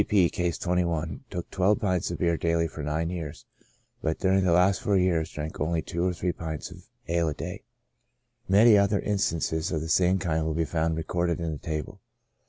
C. P — (Case 21) took twelve pints of beer daily for nine years, but during the last four years drank only two or three pints of ale a day. Many other instances of the same kind will be found recorded in the table.